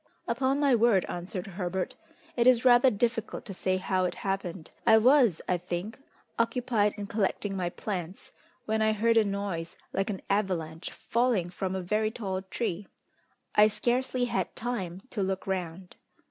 "Upon my word," answered Herbert, "it is rather difficult to say how it happened. I was, I think, occupied in collecting my plants, when I heard a noise like an avalanche falling from a very tall tree. I scarcely had time to look round.